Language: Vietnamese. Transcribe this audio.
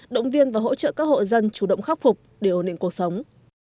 động viên và hỗ trợ các hộ dân chủ động khắc phục để ổn định cuộc sống